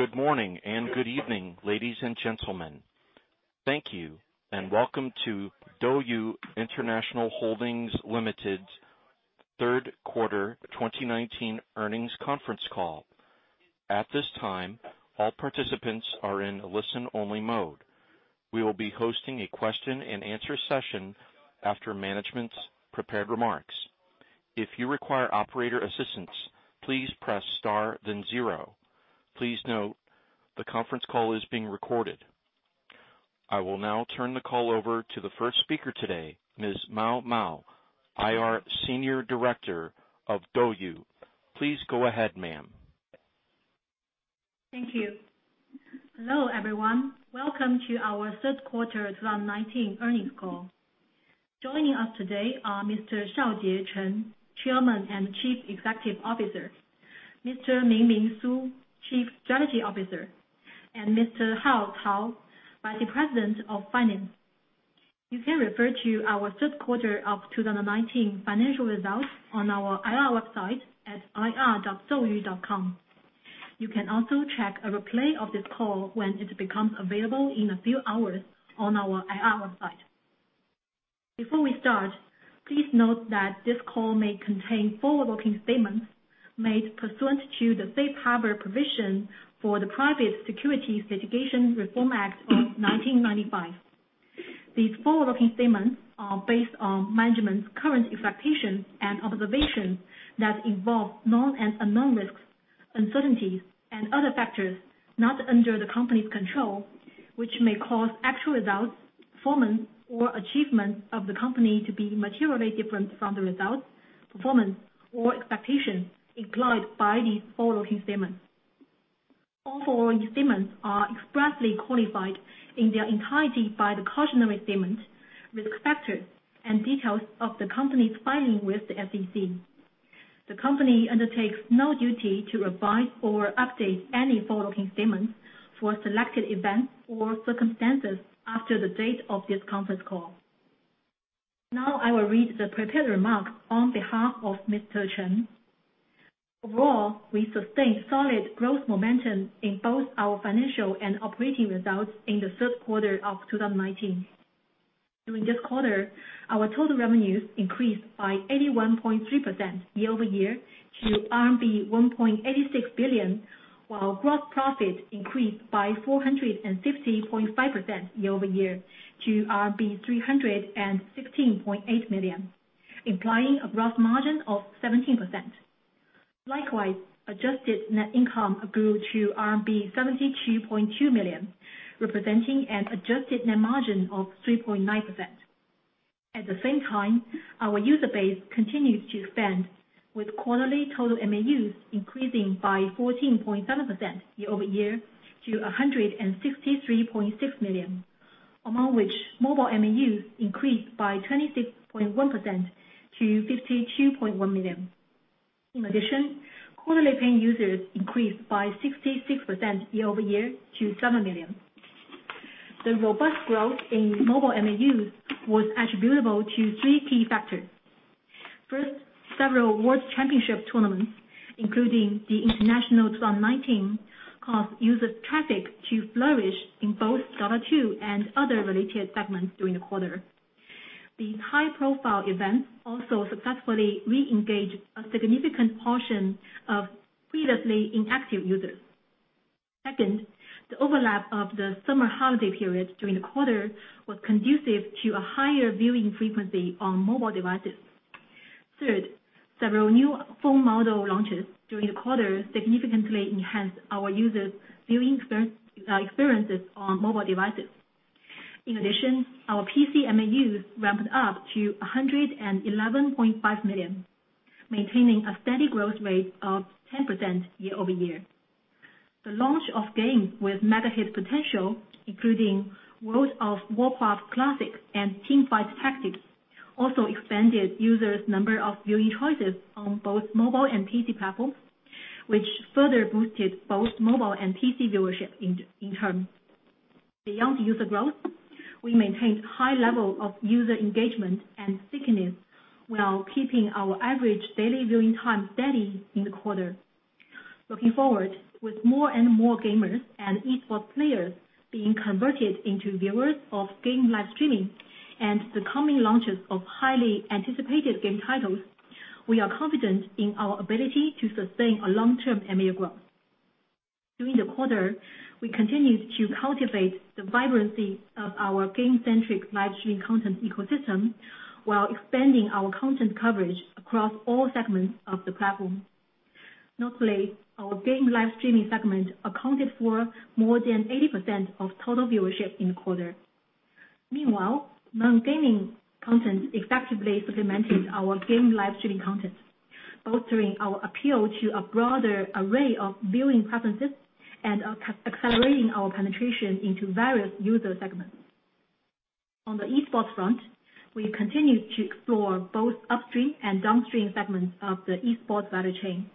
Good morning and good evening, ladies and gentlemen. Thank you, and welcome to DouYu International Holdings Limited's third quarter 2019 earnings conference call. At this time, all participants are in listen only mode. We will be hosting a question and answer session after management's prepared remarks. If you require operator assistance, please press star, then zero. Please note, the conference call is being recorded. I will now turn the call over to the first speaker today, Ms. Mao Mao, IR Senior Director of DouYu. Please go ahead, ma'am. Thank you. Hello, everyone. Welcome to our third quarter 2019 earnings call. Joining us today are Mr. Shaojie Chen, Chairman and Chief Executive Officer, Mr. Mingming Su, Chief Strategy Officer, and Mr. Hao Cao, Vice President of Finance. You can refer to our third quarter of 2019 financial results on our IR website at ir.douyu.com. You can also check a replay of this call when it becomes available in a few hours on our IR website. Before we start, please note that this call may contain forward-looking statements made pursuant to the Safe Harbor provisions for the Private Securities Litigation Reform Act of 1995. These forward-looking statements are based on management's current expectations and observations that involve known and unknown risks, uncertainties, and other factors not under the company's control, which may cause actual results, performance, or achievements of the company to be materially different from the results, performance, or expectations implied by these forward-looking statements. All forward-looking statements are expressly qualified in their entirety by the cautionary statements, risk factors, and details of the company's filing with the SEC. The company undertakes no duty to revise or update any forward-looking statements for selected events or circumstances after the date of this conference call. Now, I will read the prepared remarks on behalf of Mr. Chen. Overall, we sustained solid growth momentum in both our financial and operating results in the third quarter of 2019. During this quarter, our total revenues increased by 81.3% year-over-year to RMB 1.86 billion, while gross profit increased by 460.5% year-over-year to 316.8 million, implying a gross margin of 17%. Likewise, adjusted net income grew to RMB 72.2 million, representing an adjusted net margin of 3.9%. At the same time, our user base continued to expand with quarterly total MAUs increasing by 14.7% year-over-year to 163.6 million, among which mobile MAUs increased by 26.1% to 52.1 million. Quarterly paying users increased by 66% year-over-year to 7 million. The robust growth in mobile MAUs was attributable to three key factors. First, several world championship tournaments, including The International 2019, caused user traffic to flourish in both Dota 2 and other related segments during the quarter. These high-profile events also successfully re-engaged a significant portion of previously inactive users. Second, the overlap of the summer holiday period during the quarter was conducive to a higher viewing frequency on mobile devices. Third, several new phone model launches during the quarter significantly enhanced our users' viewing experiences on mobile devices. In addition, our PC MAUs ramped up to 111.5 million, maintaining a steady growth rate of 10% year-over-year. The launch of games with mega-hit potential, including World of Warcraft Classic and Teamfight Tactics, also expanded users' number of viewing choices on both mobile and PC platforms, which further boosted both mobile and PC viewership in turn. Beyond user growth, we maintained high levels of user engagement and stickiness while keeping our average daily viewing time steady in the quarter. Looking forward, with more and more gamers and esports players being converted into viewers of game live streaming and the coming launches of highly anticipated game titles, we are confident in our ability to sustain a long-term MAU growth. During the quarter, we continued to cultivate the vibrancy of our game-centric live streaming content ecosystem while expanding our content coverage across all segments of the platform. Notably, our game live streaming segment accounted for more than 80% of total viewership in the quarter. Meanwhile, non-gaming content effectively supplemented our game live streaming content, bolstering our appeal to a broader array of viewing preferences and accelerating our penetration into various user segments. On the esports front, we continued to explore both upstream and downstream segments of the esports value chain.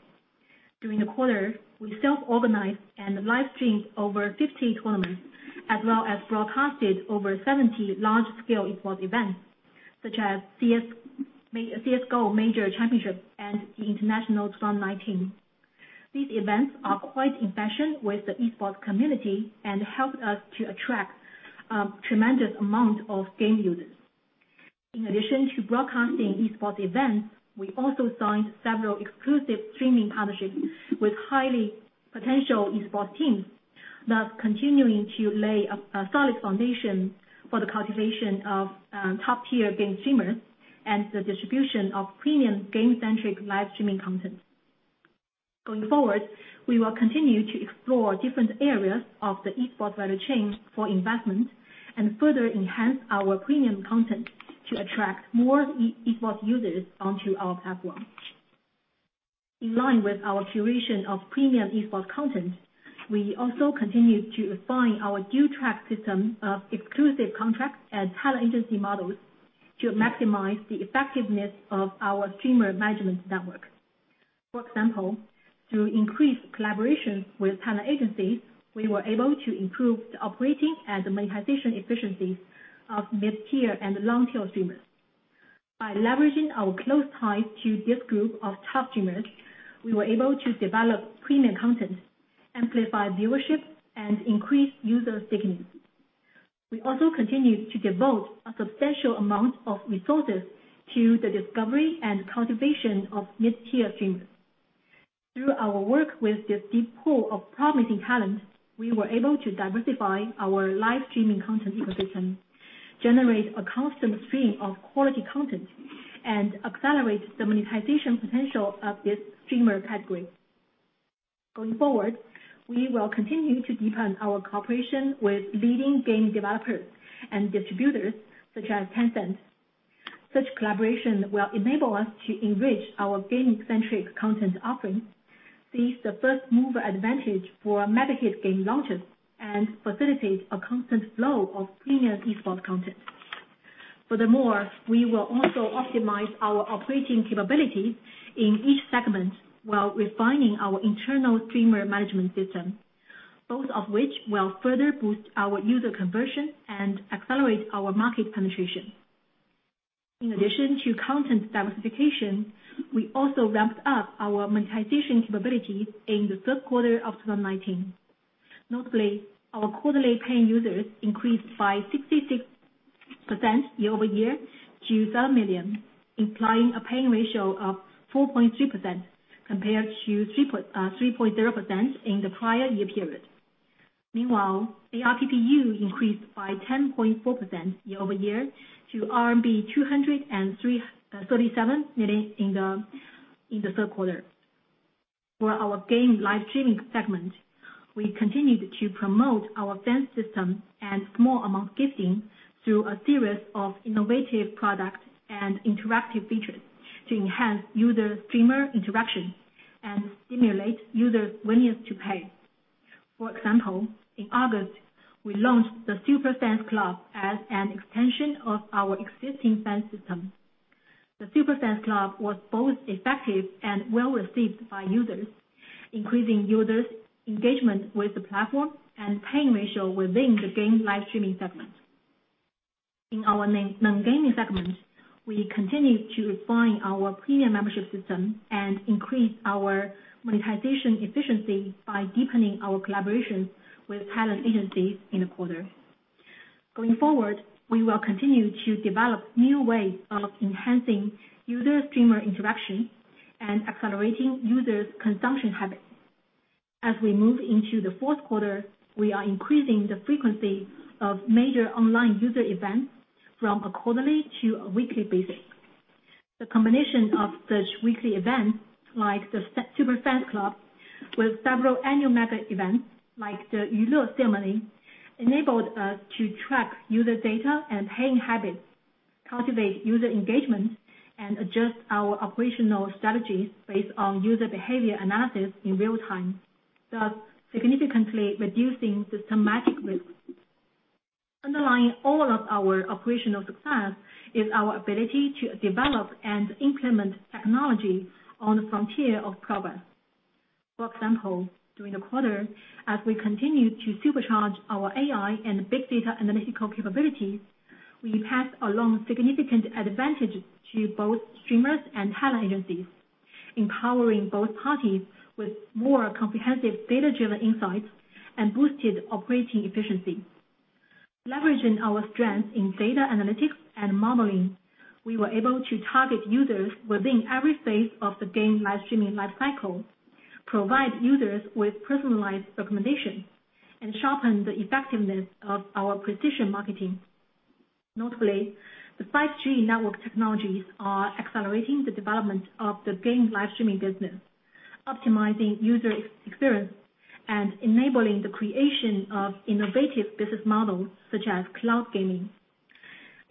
During the quarter, we self-organized and live-streamed over 50 tournaments as well as broadcasted over 70 large-scale esports events, such as CS:GO Major Championship and The International 2019. These events are quite in fashion with the esports community and helped us to attract a tremendous amount of game users. In addition to broadcasting esports events, we also signed several exclusive streaming partnerships with high potential esports teams, thus continuing to lay a solid foundation for the cultivation of top-tier game streamers and the distribution of premium game-centric live streaming content. Going forward, we will continue to explore different areas of the esports value chain for investment and further enhance our premium content to attract more esports users onto our platform. In line with our curation of premium esports content, we also continue to refine our dual-track system of exclusive contracts and talent agency models to maximize the effectiveness of our streamer management network. For example, to increase collaboration with talent agencies, we were able to improve the operating and monetization efficiencies of mid-tier and long-tail streamers. By leveraging our close ties to this group of top streamers, we were able to develop premium content, amplify viewership, and increase user stickiness. We also continue to devote a substantial amount of resources to the discovery and cultivation of mid-tier streamers. Through our work with this deep pool of promising talent, we were able to diversify our live streaming content ecosystem, generate a constant stream of quality content, and accelerate the monetization potential of this streamer category. Going forward, we will continue to deepen our cooperation with leading game developers and distributors, such as Tencent. Such collaboration will enable us to enrich our gaming-centric content offerings, seize the first-mover advantage for mega hit game launches, and facilitate a constant flow of premium esports content. Furthermore, we will also optimize our operating capabilities in each segment while refining our internal streamer management system, both of which will further boost our user conversion and accelerate our market penetration. In addition to content diversification, we also ramped up our monetization capabilities in the third quarter of 2019. Notably, our quarterly paying users increased by 66% year-over-year to 7 million, implying a paying ratio of 4.3% compared to 3.0% in the prior year period. Meanwhile, ARPPU increased by 10.4% year-over-year to RMB 337 million in the third quarter. For our game live streaming segment, we continued to promote our fan system and small amount gifting through a series of innovative products and interactive features to enhance user-streamer interaction and stimulate users' willingness to pay. For example, in August, we launched the Super Fan Club as an extension of our existing fan system. The Super Fan Club was both effective and well-received by users, increasing users' engagement with the platform and paying ratio within the game live streaming segment. In our non-gaming segment, we continued to refine our premium membership system and increase our monetization efficiency by deepening our collaboration with talent agencies in the quarter. Going forward, we will continue to develop new ways of enhancing user-streamer interaction and accelerating users' consumption habits. As we move into the fourth quarter, we are increasing the frequency of major online user events from a quarterly to a weekly basis. The combination of such weekly events like the Super Fan Club with several annual mega events like the YuLe Ceremony, enabled us to track user data and paying habits, cultivate user engagement, and adjust our operational strategies based on user behavior analysis in real time, thus significantly reducing systematic risk. Underlying all of our operational success is our ability to develop and implement technology on the frontier of progress. For example, during the quarter, as we continued to supercharge our AI and big data analytical capabilities, we passed along significant advantage to both streamers and talent agencies, empowering both parties with more comprehensive data-driven insights and boosted operating efficiency. Leveraging our strength in data analytics and modeling, we were able to target users within every phase of the game live streaming lifecycle, provide users with personalized recommendations, and sharpen the effectiveness of our precision marketing. Notably, the 5G network technologies are accelerating the development of the game live streaming business, optimizing user experience, and enabling the creation of innovative business models such as cloud gaming.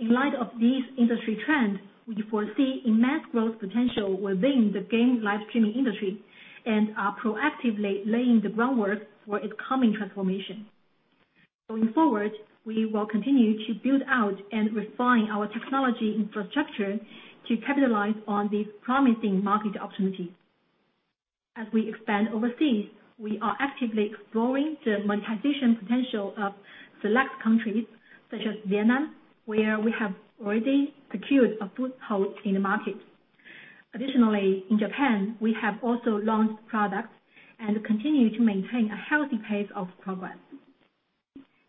In light of these industry trends, we foresee immense growth potential within the game live streaming industry and are proactively laying the groundwork for its coming transformation. Going forward, we will continue to build out and refine our technology infrastructure to capitalize on these promising market opportunities. As we expand overseas, we are actively exploring the monetization potential of select countries such as Vietnam, where we have already secured a foothold in the market. Additionally, in Japan, we have also launched products and continue to maintain a healthy pace of progress.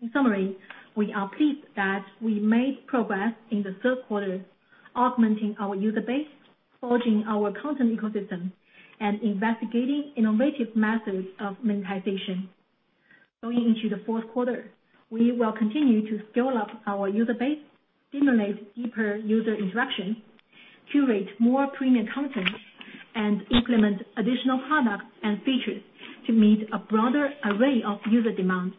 In summary, we are pleased that we made progress in the third quarter, augmenting our user base, forging our content ecosystem, and investigating innovative methods of monetization. Going into the fourth quarter, we will continue to scale up our user base, stimulate deeper user interaction, curate more premium content, and implement additional products and features to meet a broader array of user demands.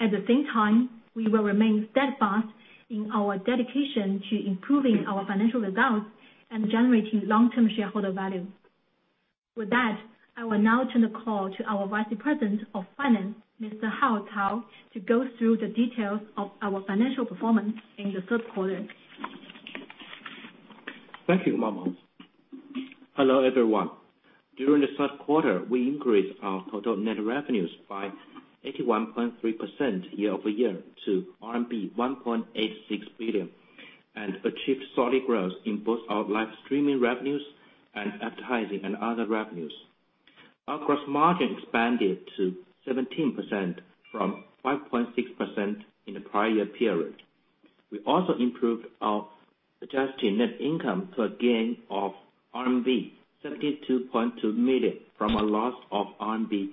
At the same time, we will remain steadfast in our dedication to improving our financial results and generating long-term shareholder value. With that, I will now turn the call to our Vice President of Finance, Mr. Hao Cao, to go through the details of our financial performance in the third quarter. Thank you, Mao Mao. Hello, everyone. During the third quarter, we increased our total net revenues by 81.3% year-over-year to RMB 1.86 billion, and achieved solid growth in both our live streaming revenues and advertising and other revenues. Our gross margin expanded to 17% from 5.6% in the prior year period. We also improved our adjusted net income to a gain of RMB 72.2 million from a loss of RMB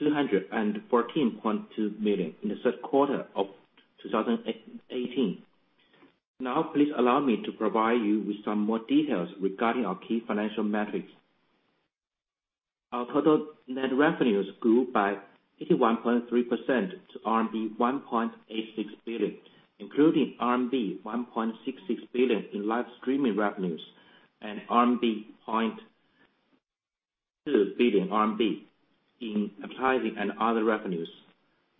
214.2 million in the third quarter of 2018. Now, please allow me to provide you with some more details regarding our key financial metrics. Our total net revenues grew by 81.3% to RMB 1.86 billion, including RMB 1.66 billion in live streaming revenues and 0.2 billion RMB in advertising and other revenues.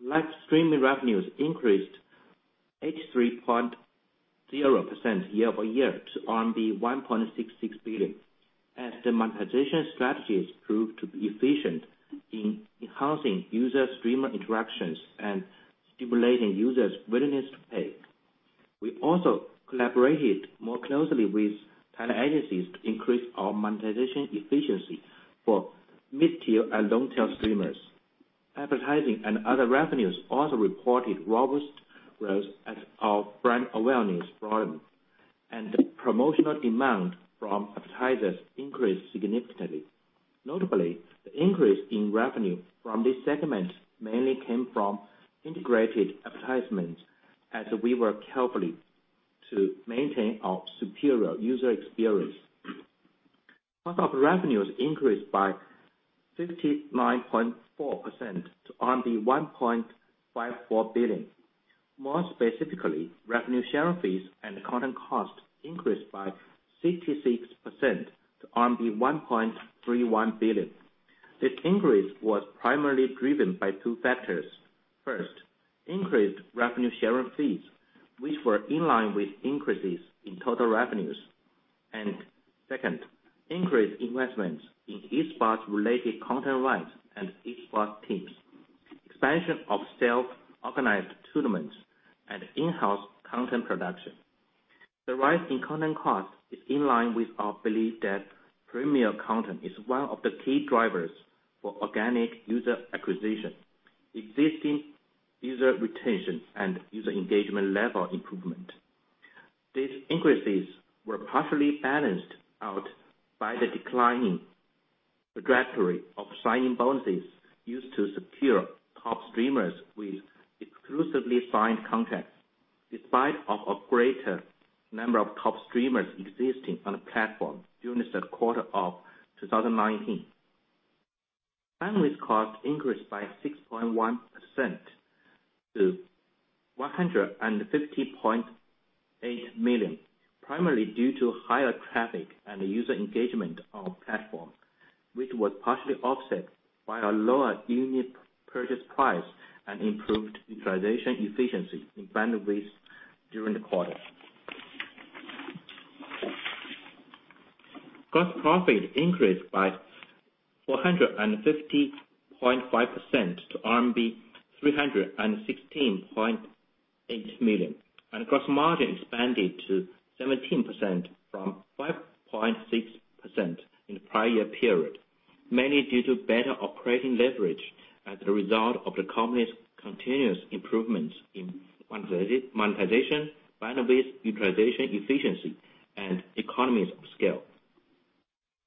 Live streaming revenues increased 83.0% year-over-year to RMB 1.66 billion as the monetization strategies proved to be efficient in enhancing user-streamer interactions and stimulating users' willingness to pay. We also collaborated more closely with talent agencies to increase our monetization efficiency for mid-tier and long-tail streamers. Promotional demand from advertisers increased significantly. Notably, the increase in revenue from this segment mainly came from integrated advertisements as we work carefully to maintain our superior user experience. Cost of revenues increased by 59.4% to RMB 1.54 billion. More specifically, revenue share fees and content cost increased by 66% to RMB 1.31 billion. This increase was primarily driven by two factors. First, increased revenue share fees, which were in line with increases in total revenues. Second, increased investments in esports-related content rights and esports teams, expansion of self-organized tournaments and in-house content production. The rise in content cost is in line with our belief that premier content is one of the key drivers for organic user acquisition, existing user retention, and user engagement level improvement. These increases were partially balanced out by the declining trajectory of sign-in bonuses used to secure top streamers with exclusively signed contracts, despite of a greater number of top streamers existing on the platform during the third quarter of 2019. Bandwidth cost increased by 6.1% to 150.8 million, primarily due to higher traffic and user engagement on platform, which was partially offset by a lower unit purchase price and improved utilization efficiency in bandwidth during the quarter. Gross profit increased by 450.5% to RMB 316.8 million, and gross margin expanded to 17% from 5.6% in the prior year period, mainly due to better operating leverage as a result of the company's continuous improvements in monetization, bandwidth utilization efficiency, and economies of scale.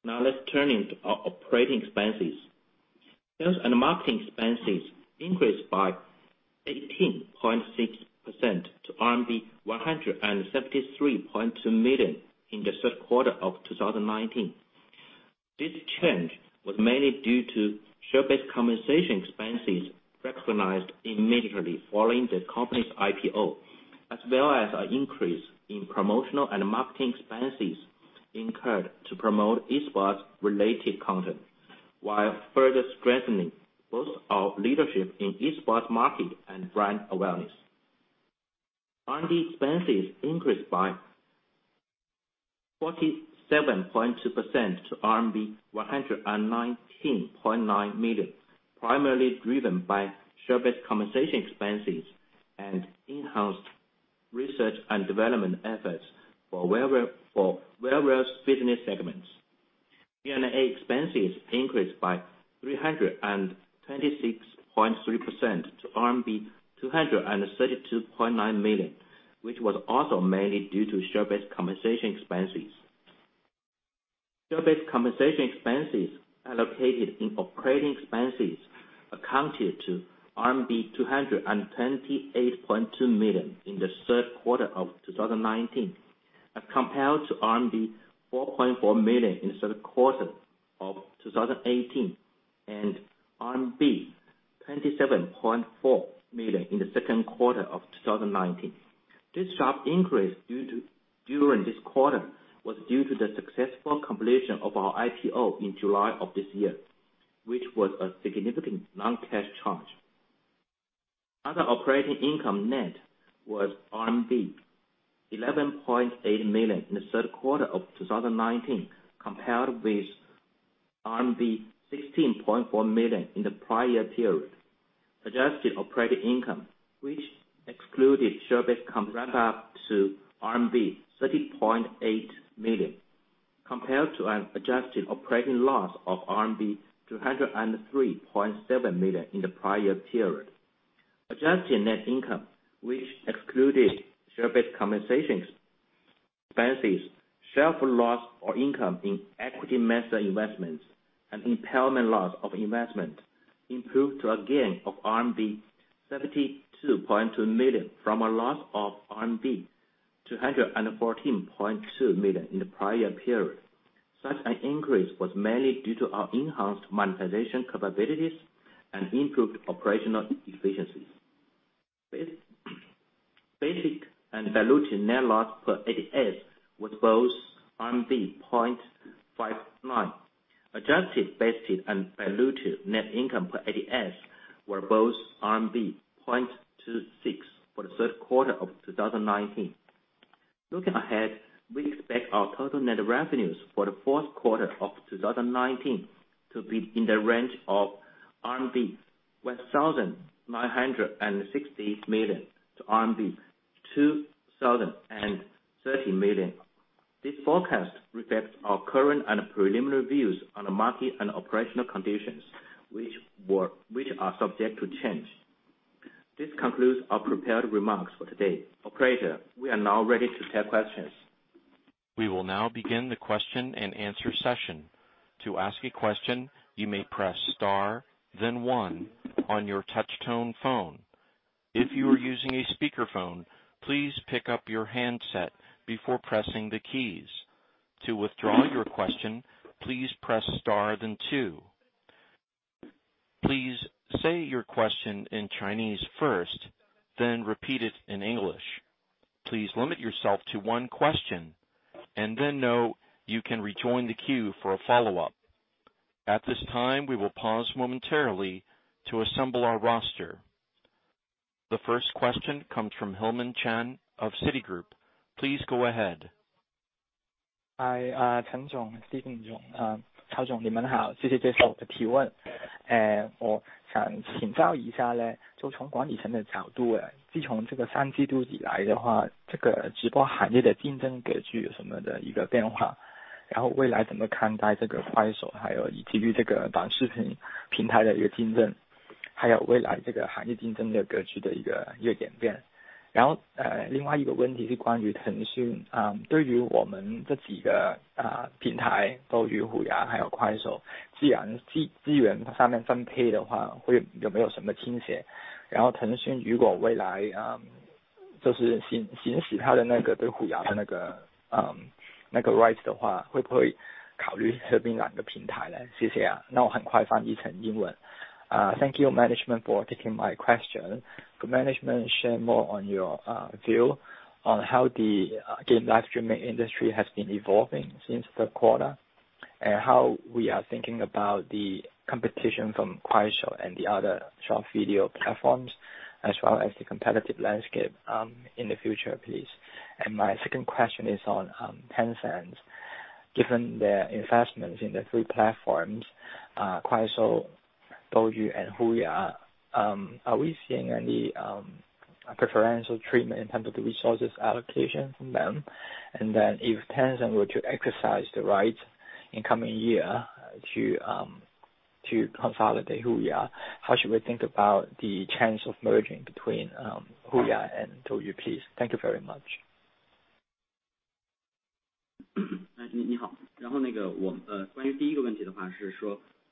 Let's turn into our operating expenses. Sales and marketing expenses increased by 18.6% to RMB 173.2 million in the third quarter of 2019. This change was mainly due to share-based compensation expenses recognized immediately following the company's IPO, as well as an increase in promotional and marketing expenses incurred to promote esports-related content while further strengthening both our leadership in esports market and brand awareness. R&D expenses increased by 47.2% to RMB 119.9 million, primarily driven by service compensation expenses and enhanced research and development efforts for various business segments. G&A expenses increased by 326.3% to RMB 232.9 million, which was also mainly due to share-based compensation expenses. Share-based compensation expenses allocated in operating expenses accounted to RMB 228.2 million in the third quarter of 2019 as compared to RMB 4.4 million in the third quarter of 2018 and RMB 27.4 million in the second quarter of 2019. This sharp increase during this quarter was due to the successful completion of our IPO in July of this year, which was a significant non-cash charge. Other operating income net was RMB 11.8 million in the third quarter of 2019, compared with RMB 16.4 million in the prior period. Adjusted operating income, which excluded share-based comp ramp-up to RMB 30.8 million compared to an adjusted operating loss of RMB 203.7 million in the prior period. Adjusted net income, which excluded share-based compensations, expenses, share loss or income in equity method investments, and impairment loss of investment improved to a gain of RMB 72.2 million from a loss of RMB 214.2 million in the prior period. Such an increase was mainly due to our enhanced monetization capabilities and improved operational efficiencies. Basic and diluted net loss per ADS was both RMB 0.59. Adjusted basic and diluted net income per ADS were both RMB 0.26 for the third quarter of 2019. Looking ahead, we expect our total net revenues for the fourth quarter of 2019 to be in the range of 1,960 million-2,030 million RMB. This forecast reflects our current and preliminary views on the market and operational conditions, which are subject to change. This concludes our prepared remarks for today. Operator, we are now ready to take questions. We will now begin the question and answer session. To ask a question, you may press star then one on your touch-tone phone. If you are using a speakerphone, please pick up your handset before pressing the keys. To withdraw your question, please press star then two. Please say your question in Chinese first, then repeat it in English. Please limit yourself to one question and then know you can rejoin the queue for a follow-up. At this time, we will pause momentarily to assemble our roster. The first question comes from Hillman Chan of Citigroup. Please go ahead. Hi, Chen Zhong, Steven Zhong. Thank you, management, for taking my question. Could management share more on your view on how the game live streaming industry has been evolving since third quarter, how we are thinking about the competition from Kuaishou and the other short video platforms as well as the competitive landscape in the future, please? My second question is on Tencent. Given their investments in the three platforms, Kuaishou, DouYu, and HUYA, are we seeing any preferential treatment in terms of the resources allocation from them? If Tencent were to exercise the rights in coming year to consolidate HUYA, how should we think about the chance of merging between HUYA and DouYu, please? Thank you very much.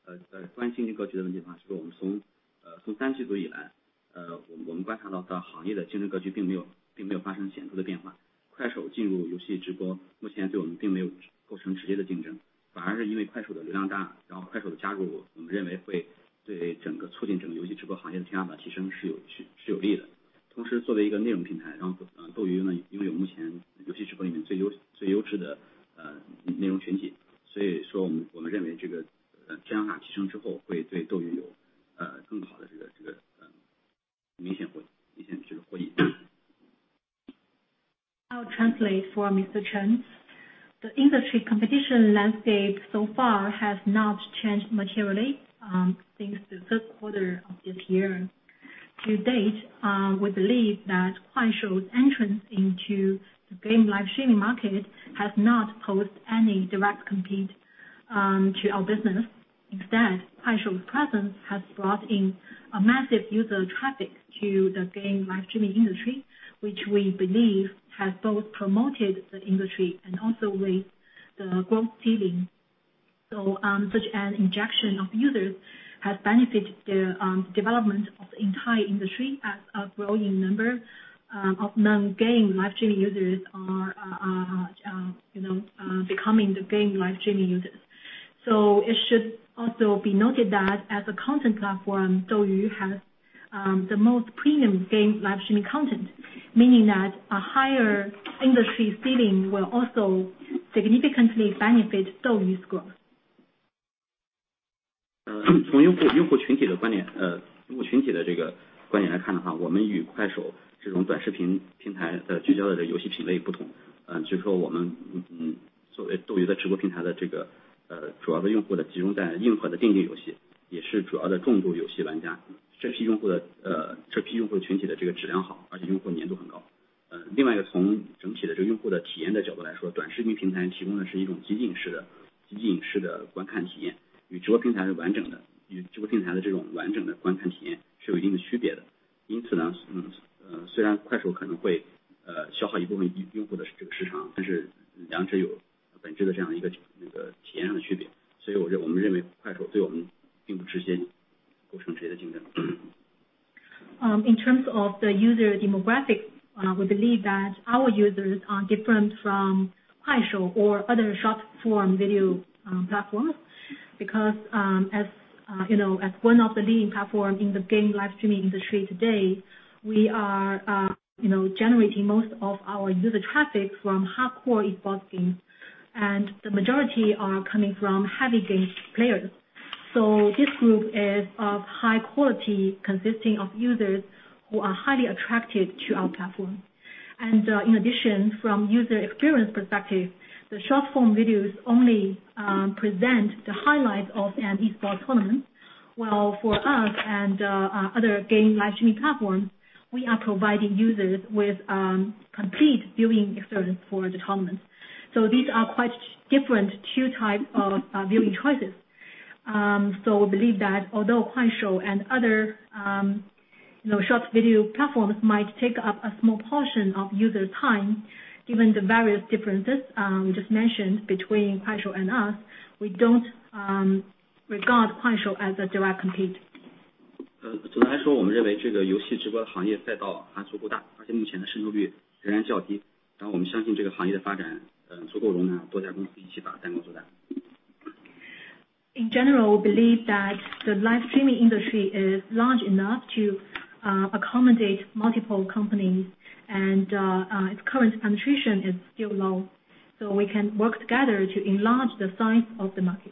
内容群体。所以说我们认为新法器征之后会对斗鱼有更好的明显获益。I'll translate for Mr. Chen. The industry competition landscape so far has not changed materially since the third quarter of this year. To date, we believe that Kuaishou's entrance into the game live streaming market has not posed any direct compete to our business. Instead, Kuaishou's presence has brought in a massive user traffic to the game live streaming industry, which we believe has both promoted the industry and also raised the growth ceiling. Such an injection of users has benefited the development of the entire industry as a growing number of non-game live streaming users are becoming the game live streaming users. It should also be noted that as a content platform, DouYu has the most premium game live streaming content, meaning that a higher industry ceiling will also significantly benefit DouYu's growth. In terms of the user demographics, we believe that our users are different from Kuaishou or other short form video platforms, because as one of the leading platform in the game live streaming industry today, we are generating most of our user traffic from hardcore esports games, and the majority are coming from heavy game players. This group is of high quality, consisting of users who are highly attracted to our platform. In addition, from user experience perspective, the short form videos only present the highlights of an esports tournament. While for us and other game live streaming platforms, we are providing users with complete viewing experience for the tournaments. These are quite different 2 type of viewing choices. We believe that although Kuaishou and other short video platforms might take up a small portion of user time, given the various differences we just mentioned between Kuaishou and us, we don't regard Kuaishou as a direct compete. 总的来说，我们认为这个游戏直播行业赛道还足够大，而且目前的渗透率仍然较低，我们相信这个行业的发展足够容纳多家公司一起把蛋糕做大。In general, we believe that the live streaming industry is large enough to accommodate multiple companies, and its current penetration is still low, so we can work together to enlarge the size of the market.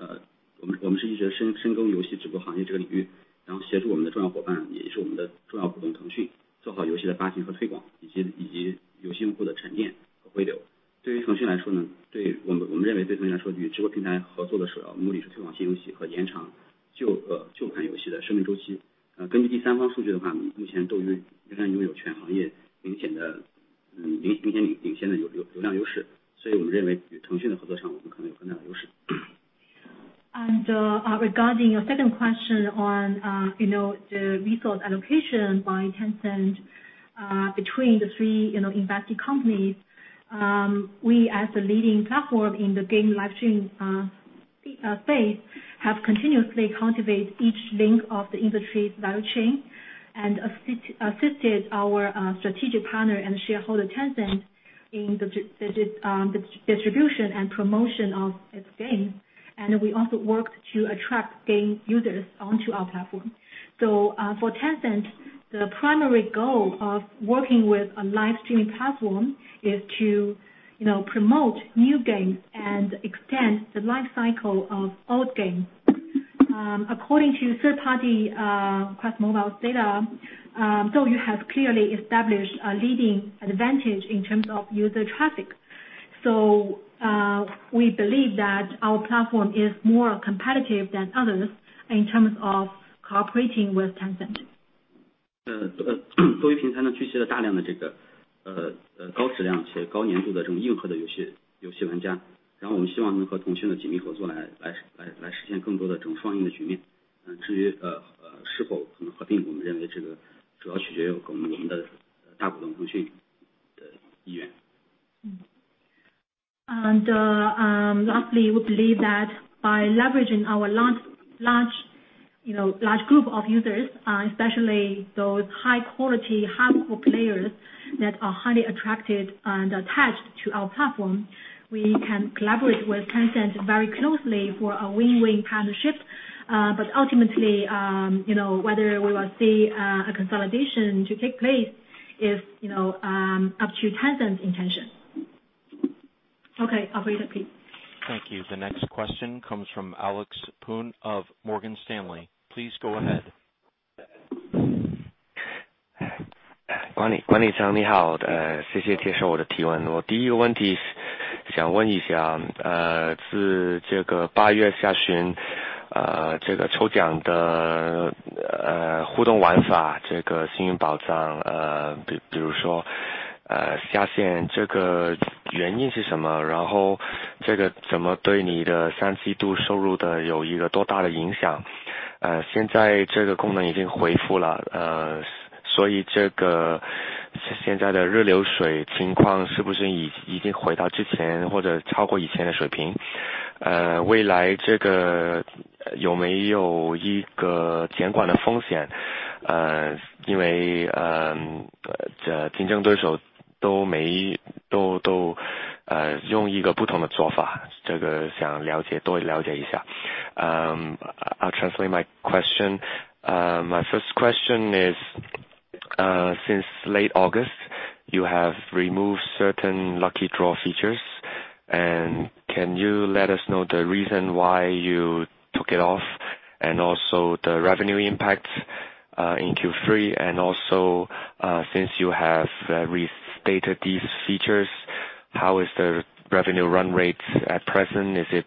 第二个问题关于腾讯对于我们几家直播平台的资源上的分配情况。我们认为在游戏直播行业，我们是一直在深耕游戏直播行业这个领域，然后协助我们的重要伙伴，也是我们的重要股东腾讯，做好游戏的发行和推广，以及游戏用户的沉淀和回流。对于腾讯来说，我们认为最根本来说，与直播平台合作的首要目的就是推广新游戏和延长旧版游戏的生命周期。根据第三方数据，目前斗鱼仍然拥有全行业明显领先的流量优势，所以我们认为与腾讯的合作上，我们可能有很大的优势。Regarding your second question on the resource allocation by Tencent between the three invested companies, we as a leading platform in the game live streaming space, have continuously cultivate each link of the industry's value chain, and assisted our strategic partner and shareholder, Tencent, in the distribution and promotion of its games. We also work to attract game users onto our platform. For Tencent, the primary goal of working with a live streaming platform is to promote new games and extend the life cycle of old games. According to third party QuestMobile's data, DouYu has clearly established a leading advantage in terms of user traffic. We believe that our platform is more competitive than others in terms of cooperating with Tencent. 斗鱼平台聚集了大量的高质量且高粘度的这种硬核的游戏玩家，我们希望能和腾讯紧密合作，来实现更多的这种双赢的局面。至于是否可能合并，我们认为这个主要取决于我们的大股东腾讯的意愿。Lastly, we believe that by leveraging our large Large group of users, especially those high quality hardcore players that are highly attracted and attached to our platform. We can collaborate with Tencent very closely for a win-win partnership. Ultimately, whether we will see a consolidation to take place is up to Tencent intention. OK, over to you, please. Thank you. The next question comes from Alex Poon of Morgan Stanley. Please go ahead. 管理层你好，谢谢接受我的提问。我第一个问题想问一下，自这个8月下旬这个抽奖的互动玩法，这个幸运宝藏，比如说下线这个原因是什么？然后这个怎么对你的三季度收入有一个多大的影响？现在这个功能已经恢复了，所以这个现在的日流水情况是不是已经回到之前，或者超过以前的水平？未来这个有没有一个监管的风险？因为竞争对手都用一个不同的做法，这个想多了解一下。I'll translate my question. My first question is, since late August, you have removed certain lucky draw features. Can you let us know the reason why you took it off? The revenue impact in Q3. Since you have restated these features, how is the revenue run rate at present? Is it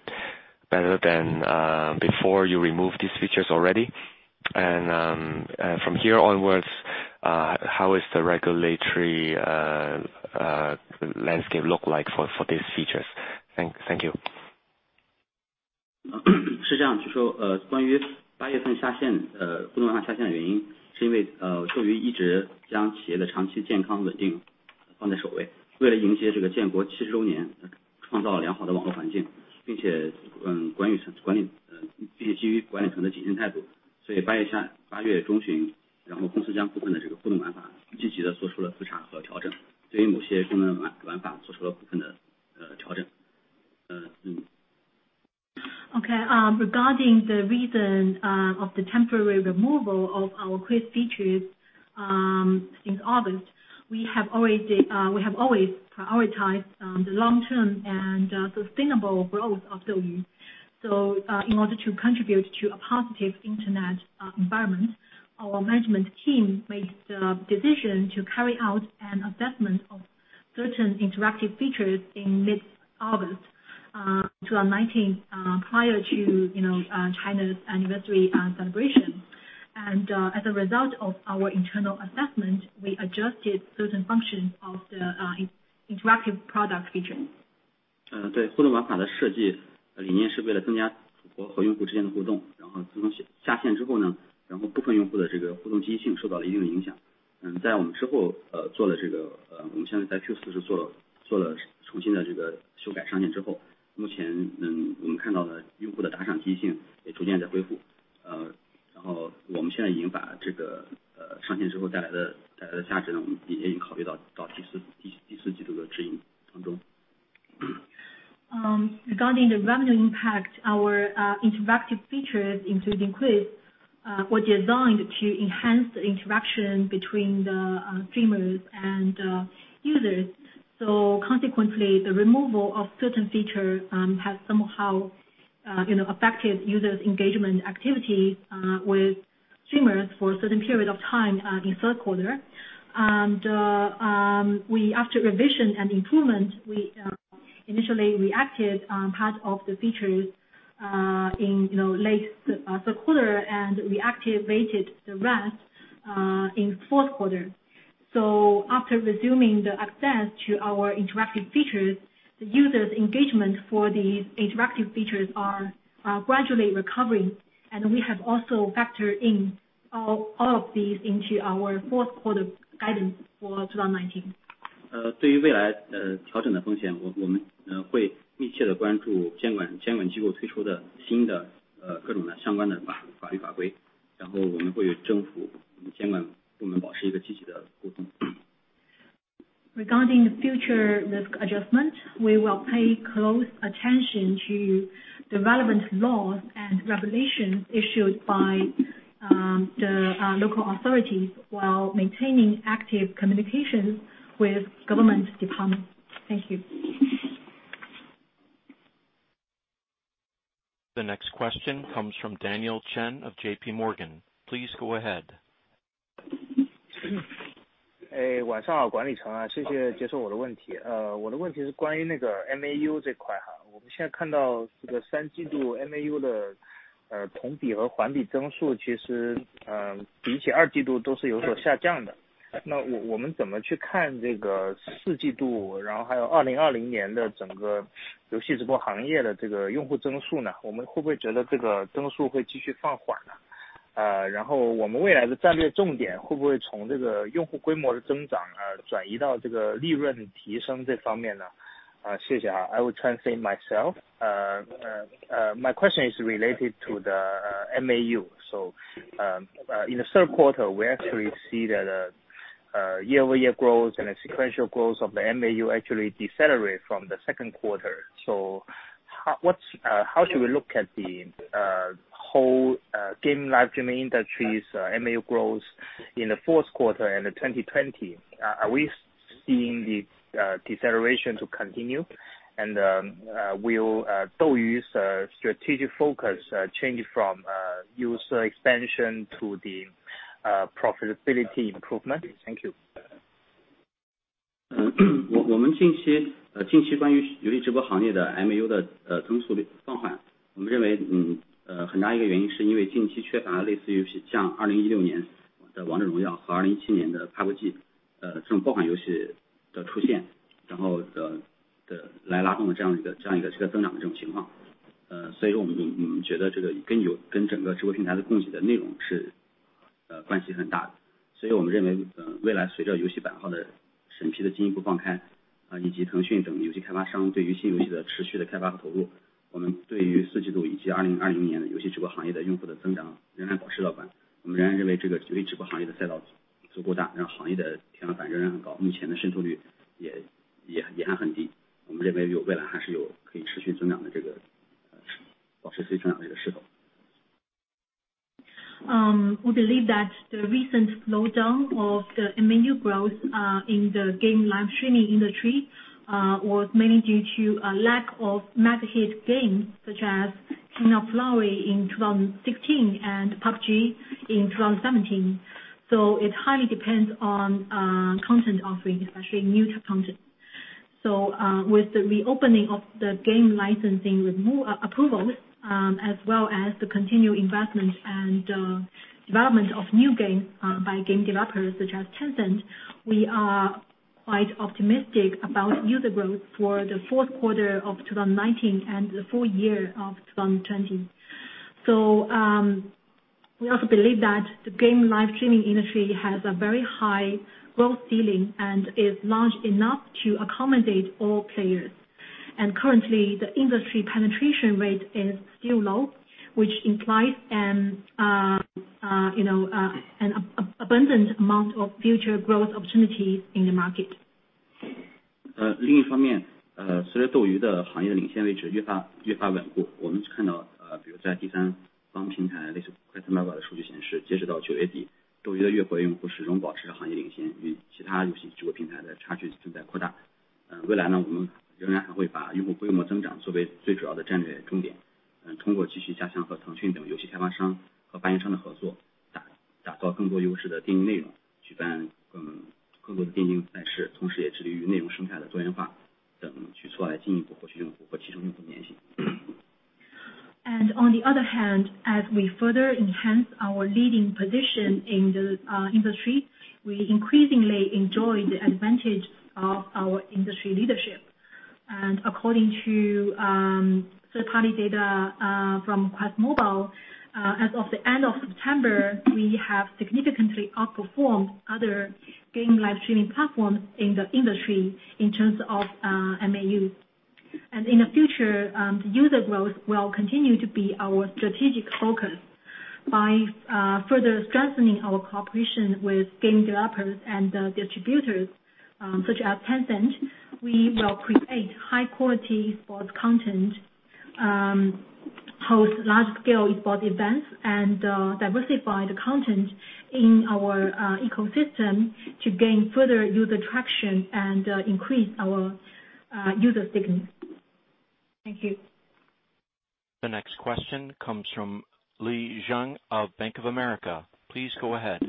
better than before you removed these features already? From here onwards, how is the regulatory landscape look like for these features? Thank you. Regarding the reason of the temporary removal of our quiz features in August, we have always prioritized the long-term and sustainable growth of DouYu. In order to contribute to a positive internet environment, our management team made the decision to carry out an assessment of certain interactive features in mid August 2019, prior to China's anniversary celebration. As a result of our internal assessment, we adjusted certain functions of the interactive product feature. 对互动玩法的设计理念是为了增加主播和用户之间的互动，下线之后部分用户的互动积极性受到了一定影响。在我们之后做的这个，我们现在在Q4做了重新的修改，上线之后，目前我们看到的用户的打赏积极性也逐渐在恢复。然后我们现在已经把这个上线之后带来的价值，我们也已经考虑到第四季度的指引当中。Regarding the revenue impact, our interactive features, including quiz, were designed to enhance the interaction between the streamers and users. Consequently, the removal of certain feature has somehow affected users engagement activity with streamers for a certain period of time in third quarter. After revision and improvement, we initially re-activated part of the features in late third quarter and reactivated the rest in fourth quarter. After resuming the access to our interactive features, the users engagement for these interactive features are gradually recovering, and we have also factored in all of these into our fourth quarter guidance for 2019. 对于未来调整的风险，我们会密切地关注监管机构推出的新的各种相关的法律法规，然后我们会与政府监管部门保持一个积极的沟通。Regarding the future risk adjustment, we will pay close attention to the relevant laws and regulations issued by the local authorities while maintaining active communications with government departments. Thank you. The next question comes from Daniel Chen of JPMorgan. Please go ahead. 晚上好，管理层，谢谢接受我的问题。我的问题是关于那个MAU这块。我们现在看到这个三季度MAU的同比和环比增速其实比起二季度都是有所下降的。那我们怎么去看这个四季度，然后还有2020年的整个游戏直播行业的这个用户增速呢？我们会不会觉得这个增速会继续放缓呢？然后我们未来的战略重点会不会从这个用户规模的增长而转移到这个利润提升这方面呢？I will translate myself. My question is related to the MAU. In the third quarter, we actually see that year-over-year growth and the sequential growth of the MAU actually decelerated from the second quarter. How should we look at the whole gaming live streaming industry's MAU growth in the fourth quarter and 2020? Are we seeing the deceleration to continue? Will DouYu's strategic focus change from user expansion to profitability improvement? Thank you. We believe that the recent slowdown of the MAU growth in the game live streaming industry was mainly due to a lack of massive hit games such as King of Glory in 2016 and PUBG in 2017. It highly depends on content offering, especially new content. With the reopening of the game licensing approvals, as well as the continued investment and development of new games by game developers such as Tencent, we are quite optimistic about user growth for the fourth quarter of 2019 and the full year of 2020. We also believe that the game live streaming industry has a very high growth ceiling and is large enough to accommodate all players. Currently, the industry penetration rate is still low, which implies an abundant amount of future growth opportunities in the market. 另一方面，随着斗鱼的行业领先位置越发稳固，我们看到，比如在第三方平台类似QuestMobile的数据显示，截止到9月底，斗鱼的月活用户始终保持着行业领先，与其他游戏直播平台的差距正在扩大。未来我们仍然还会把用户规模增长作为最主要的战略重点，通过继续加强和腾讯等游戏开发商和发行商的合作，打造更多优势的定制内容，举办更多电竞赛事，同时也致力于内容生态的多元化等举措，来进一步获取用户和提升用户粘性。On the other hand, as we further enhance our leading position in the industry, we increasingly enjoy the advantage of our industry leadership. According to third-party data from QuestMobile, as of the end of September, we have significantly outperformed other game live streaming platforms in the industry in terms of MAU. In the future, user growth will continue to be our strategic focus. By further strengthening our cooperation with game developers and distributors such as Tencent, we will create high-quality sports content, host large-scale e-sports events, and diversify the content in our ecosystem to gain further user traction and increase our user stickiness. Thank you. The next question comes from Li Zhang of Bank of America. Please go ahead.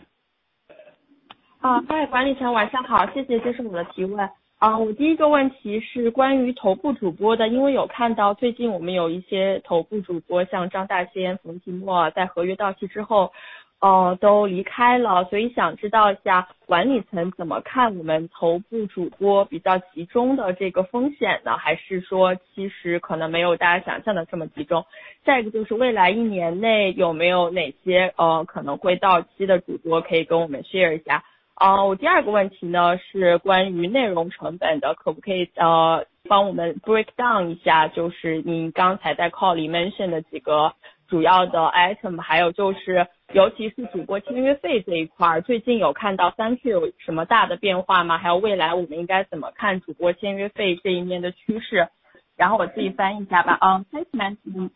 管理层晚上好，谢谢接受我的提问。我第一个问题是关于头部主播的，因为有看到最近我们有一些头部主播，像张大仙、冯提莫在合约到期之后都离开了。所以想知道一下管理层怎么看我们头部主播比较集中的这个风险？还是说其实可能没有大家想象的这么集中。下一个就是未来一年内有没有哪些可能会到期的主播可以跟我们share一下。我第二个问题是关于内容成本的，可不可以帮我们breakdown一下，就是您刚才在call里mention的几个主要的item，还有就是尤其是主播签约费这一块，最近有看到有什么大的变化吗？还有未来我们应该怎么看主播签约费这一边的趋势。然后我自己翻译一下吧。Thanks management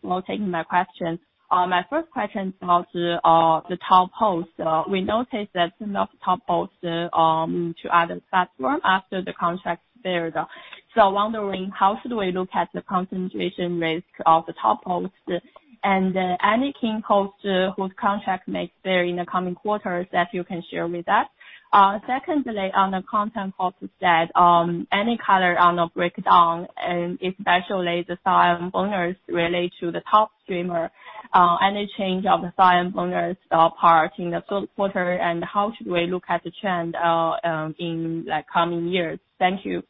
for taking my question. My first question is about the top host. We notice that some of the top hosts move to other platform after the contract expired. Wondering, how should we look at the concentration risk of the top host? Any key host whose contract might expire in the coming quarters that you can share with us? Secondly, on the content cost, any color on the breakdown, and especially the sign-on bonus related to the top streamer, any change of the sign-on bonus part in the fourth quarter, and how should we look at the trend in the coming years? Thank you.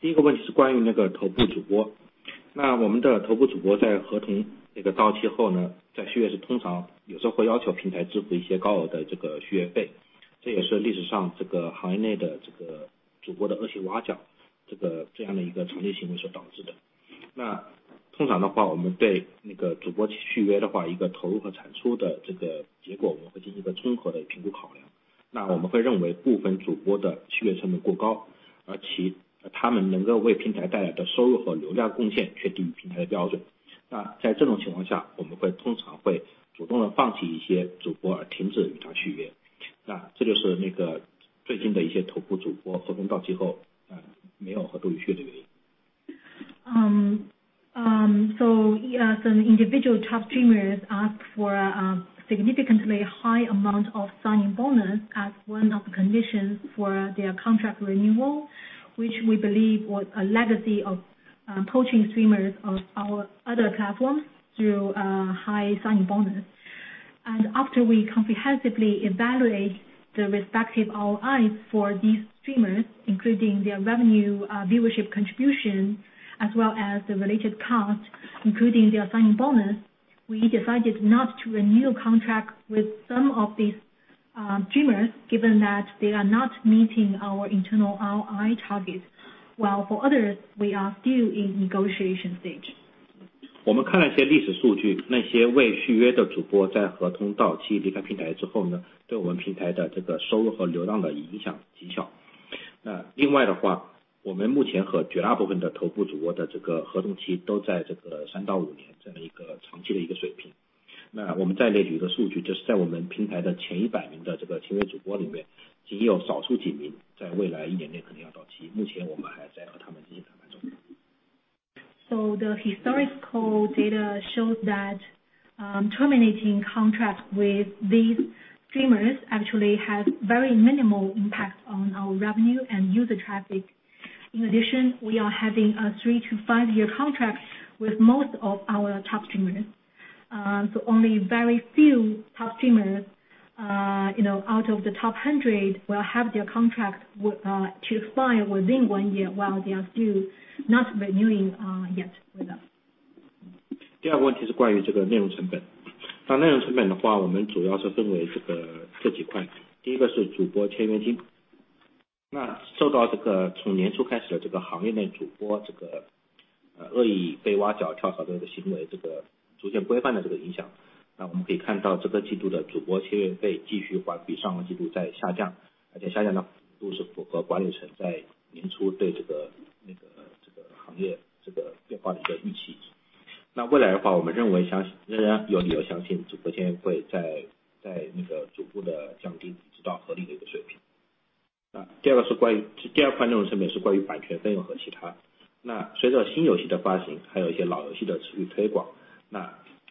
第一个问题是关于头部主播 Some individual top streamers ask for a significantly high amount of signing bonus as one of the conditions for their contract renewal, which we believe was a legacy of poaching streamers of our other platforms through high signing bonus. After we comprehensively evaluate the respective ROIs for these streamers, including their revenue, viewership contribution, as well as the related cost, including their signing bonus, we decided not to renew contract with some of these streamers, given that they are not meeting our internal RI targets. While for others, we are still in negotiation stage. 我们看了些历史数据，那些未续约的主播在合同到期离开平台之后，对我们平台的收入和流量的影响极小。另外的话，我们目前和绝大部分的头部主播的合同期都在三到五年这样一个长期的水平。我们再列举一个数据，就是在我们平台的前100名的签约主播里面，仅有少数几名在未来一年内肯定要到期，目前我们还在和他们进行谈判中。The historical data shows that terminating contract with these streamers actually has very minimal impact on our revenue and user traffic. In addition, we are having a 3-5-year contract with most of our top streamers, so only very few top streamers out of the top 100 will have their contract to expire within one year, while they are still not renewing yet with us.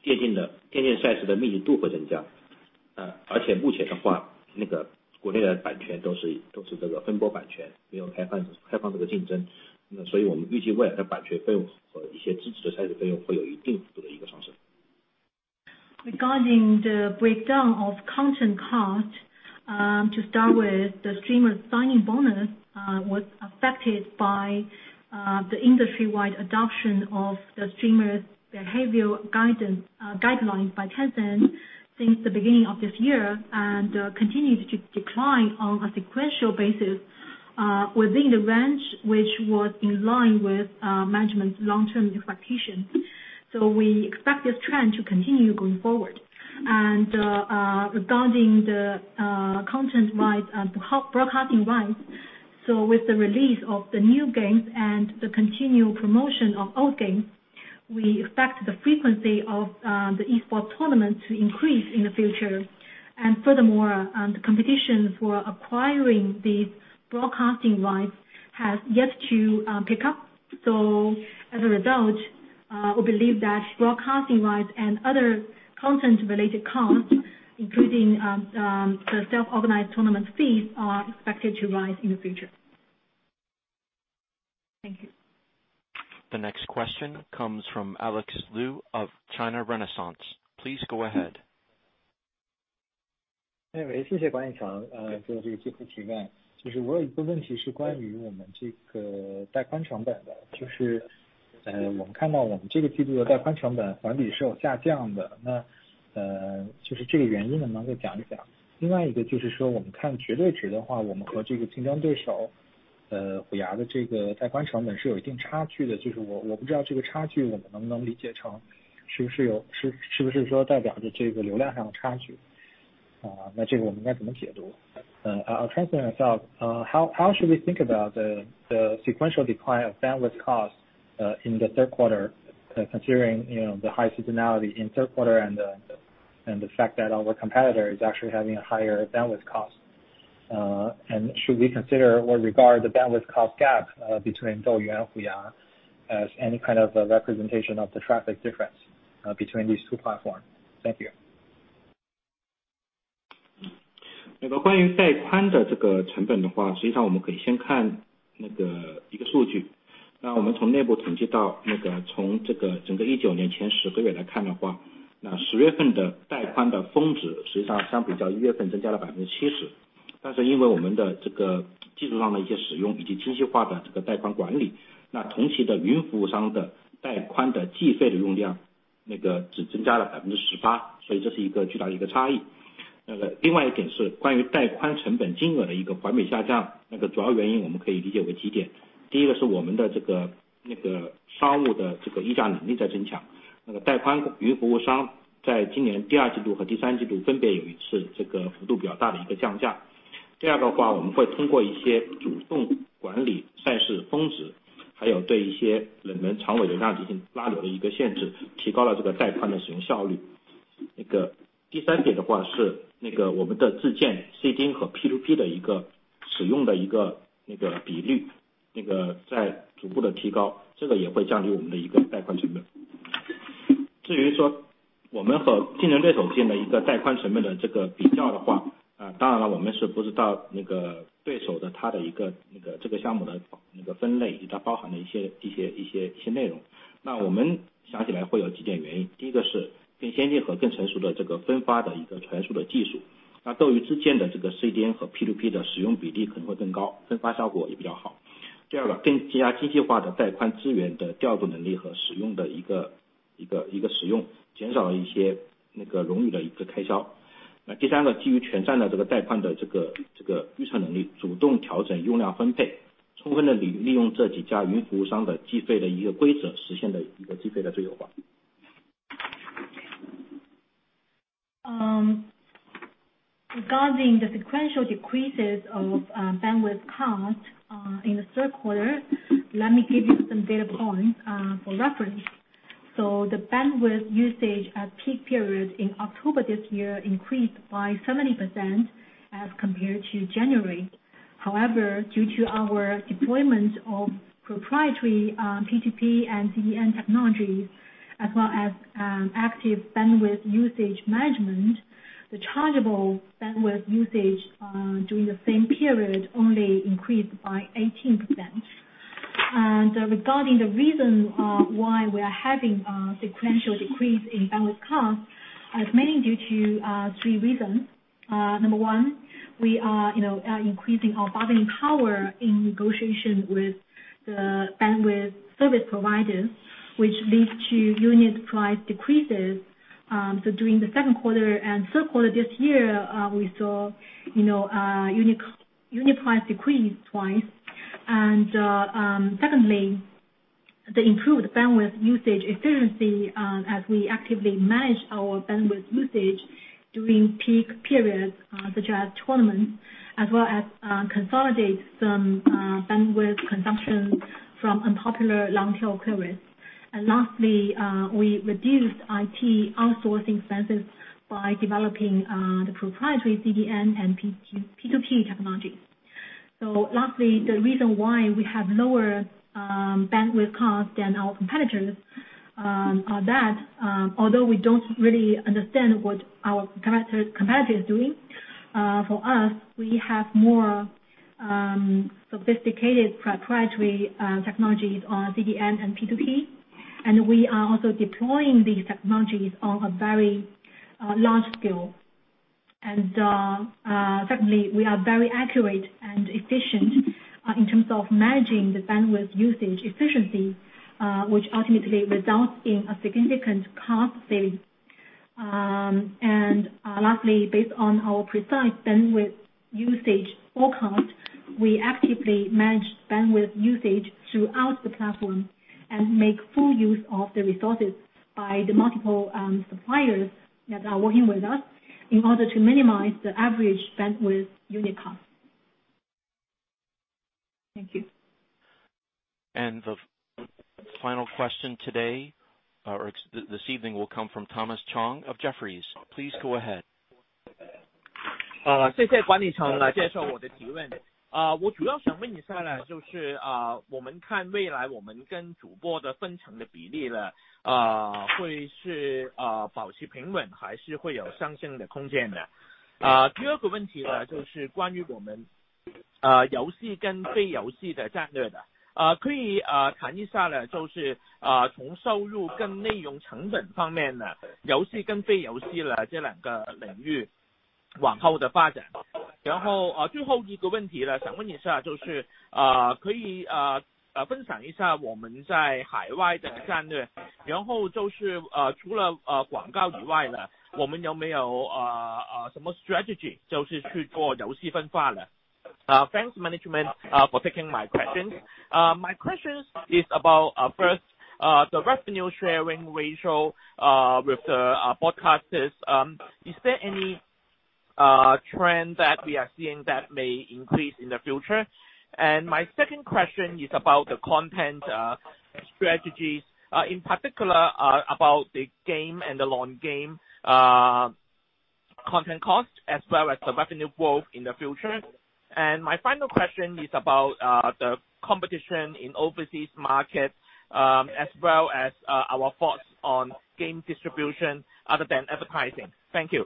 Regarding the breakdown of content cost, to start with, the streamer signing bonus was affected by the industry-wide adoption of the streamers behavior guidelines by Tencent since the beginning of this year, and continued to decline on a sequential basis within the range, which was in line with management's long-term expectations. We expect this trend to continue going forward. Regarding the content rights and broadcasting rights, with the release of the new games and the continued promotion of old games, we expect the frequency of the esports tournaments to increase in the future. Furthermore, the competition for acquiring these broadcasting rights has yet to pick up. As a result, we believe that broadcasting rights and other content-related costs, including the self-organized tournament fees, are expected to rise in the future. Thank you. The next question comes from Alex Liu of China Renaissance. Please go ahead. 谢谢管理层给我这个机会提问。我有一个问题是关于我们这个带宽成本的。我们看到我们这个季度的带宽成本环比是有下降的，这个原因能不能讲一讲？另外一个就是说，我们看绝对值的话，我们和竞争对手虎牙的带宽成本是有一定差距的，我不知道这个差距我们能不能理解成是不是代表着流量上的差距？那这个我们应该怎么解读？I'll translate myself. How should we think about the sequential decline of bandwidth cost in the third quarter, considering the high seasonality in third quarter and the fact that our competitor is actually having a higher bandwidth cost? Should we consider or regard the bandwidth cost gap between DouYu and HUYA as any kind of representation of the traffic difference between these two platforms? Thank you. Regarding the sequential decreases of bandwidth cost in the third quarter, let me give you some data points for reference. The bandwidth usage at peak period in October this year increased by 17% as compared to January. However, due to our deployment of proprietary P2P and CDN technologies, as well as active bandwidth usage management, the chargeable bandwidth usage during the same period only increased by 18%. Regarding the reason why we are having a sequential decrease in bandwidth cost, is mainly due to 3 reasons. Number 1, we are increasing our bargaining power in negotiation with the bandwidth service providers, which leads to unit price decreases. During the second quarter and third quarter this year, we saw unit price decrease twice. Secondly, the improved bandwidth usage efficiency as we actively manage our bandwidth usage during peak periods such as tournament, as well as consolidate some bandwidth consumption from unpopular long tail queries. Lastly, we reduced IT outsourcing expenses by developing the proprietary CDN and P2P technologies. Lastly, the reason why we have lower bandwidth cost than our competitors, although we don't really understand what our competitor is doing, for us, we have more sophisticated proprietary technologies on CDN and P2P, and we are also deploying these technologies on a very large scale. Certainly, we are very accurate and efficient in terms of managing the bandwidth usage efficiency, which ultimately results in a significant cost saving. Lastly, based on our precise bandwidth usage forecast, we actively manage bandwidth usage throughout the platform and make full use of the resources by the multiple suppliers that are working with us in order to minimize the average bandwidth unit cost. Thank you. The final question today or this evening will come from Thomas Chong of Jefferies. Please go ahead. 谢谢管理层来接受我的提问。我主要想问一下，未来我们跟主播的分成的比例会是保持平稳还是会有上升的空间呢？第二个问题，就是关于我们游戏跟非游戏的战略。可以谈一下从收入跟内容成本方面，游戏跟非游戏这两个领域往后的发展。然后最后一个问题想问一下，可以分享一下我们在海外的战略，除了广告以外，我们有没有什么strategy去做游戏分发呢？Thanks management for taking my questions. My questions is about, first, the revenue sharing ratio with the broadcasters. Is there any trend that we are seeing that may increase in the future? My second question is about the content strategies, in particular about the game and the long game content cost as well as the revenue growth in the future. My final question is about the competition in overseas markets, as well as our thoughts on game distribution other than advertising. Thank you.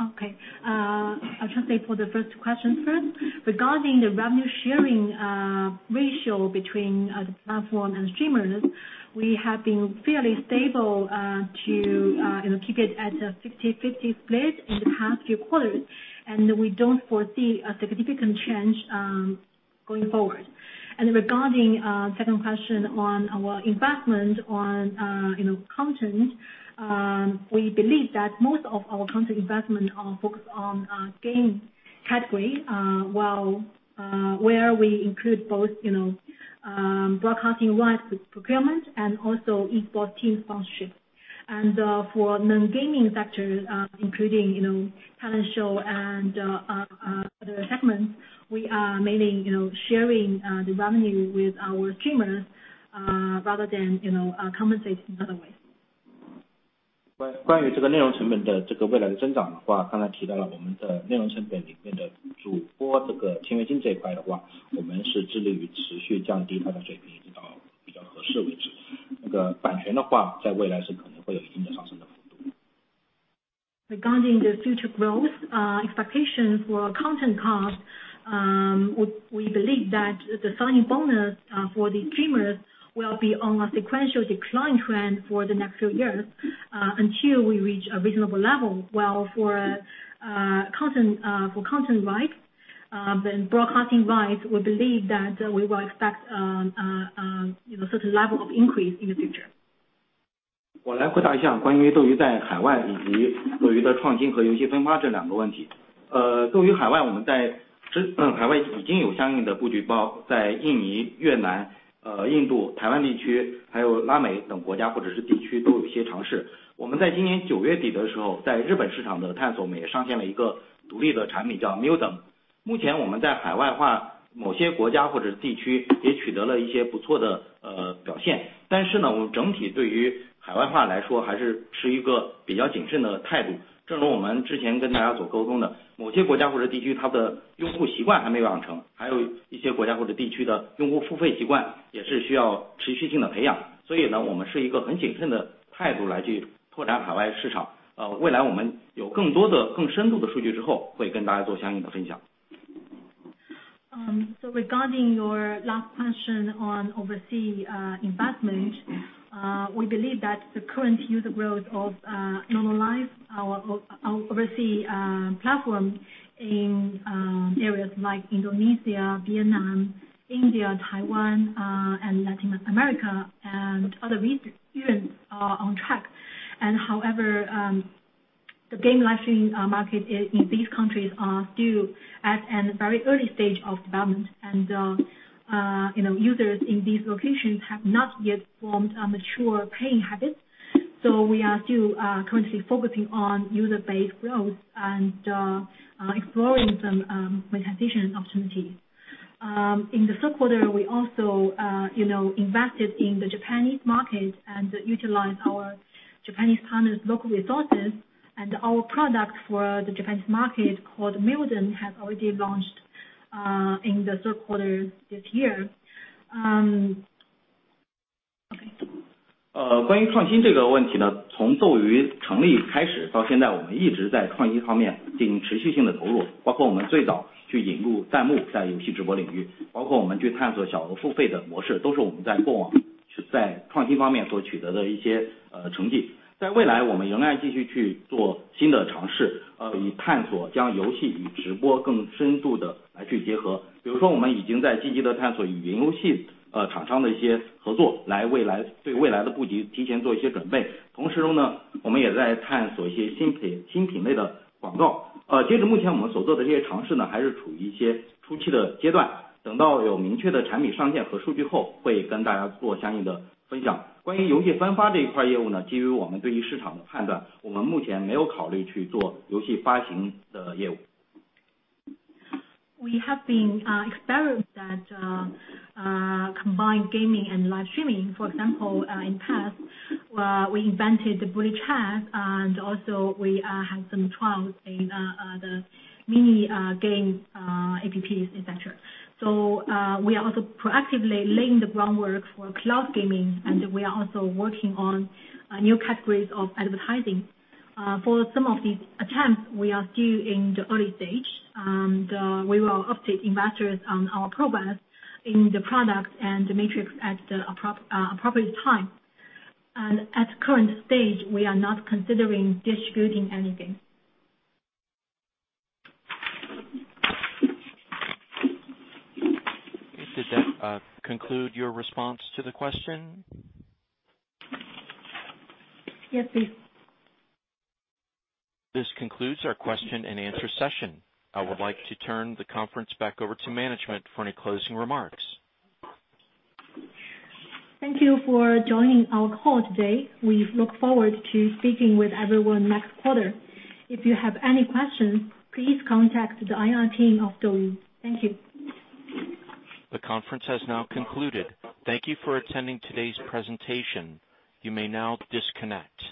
Okay. I'll try to answer for the first question first. Regarding the revenue sharing ratio between the platform and streamers, we have been fairly stable to keep it at a 50/50 split in the past few quarters, and we don't foresee a significant change going forward. Regarding the second question on our investment on content, we believe that most of our content investment are focused on game category, where we include both broadcasting rights with procurement and also esport team sponsorship. For non-gaming sectors, including talent show and other segments, we are mainly sharing the revenue with our streamers rather than compensate in other ways. 关于内容成本的未来的增长，刚才提到了我们的内容成本里面的主播签约金这一块，我们是致力于持续降低它的水平，一直到比较合适为止。版权在未来是可能会有一定的上升的幅度。Regarding the future growth expectation for content cost, we believe that the signing bonus for the streamers will be on a sequential decline trend for the next few years until we reach a reasonable level, while for content rights, then broadcasting rights, we believe that we will expect a certain level of increase in the future. Regarding your last question on overseas investment, we believe that the current user growth of normalized our overseas platform in areas like Indonesia, Vietnam, India, Taiwan, and Latin America and other regions are on track. However, the game live-streaming market in these countries are still at a very early stage of development. Users in these locations have not yet formed a mature paying habit. We are still currently focusing on user base growth and exploring some monetization opportunities. In the third quarter, we also invested in the Japanese market and utilized our Japanese partners local resources and our product for the Japanese market called Mildom, has already launched in the third quarter this year. We have been experiment that combined gaming and live streaming, for example, in past, we invented the bullet chat, and also we have some trials in the mini games, apps, etc. We are also proactively laying the groundwork for cloud gaming, and we are also working on new categories of advertising. For some of these attempts, we are still in the early stage, and we will update investors on our progress in the product and the matrix at the appropriate time. At current stage, we are not considering distributing anything. Did that conclude your response to the question? Yes, please. This concludes our question and answer session. I would like to turn the conference back over to management for any closing remarks. Thank you for joining our call today. We look forward to speaking with everyone next quarter. If you have any questions, please contact the IR team of DouYu. Thank you. The conference has now concluded. Thank you for attending today's presentation. You may now disconnect.